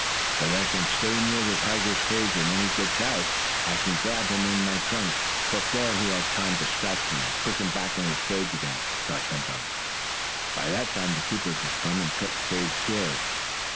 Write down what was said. "But I can stay near the tiger's cage, and when he does get out, I can grab him in my trunk, before he has time to scratch me, and push him back in his cage again," thought Tum Tum. "By that time the keepers will come, and shut the cage doors.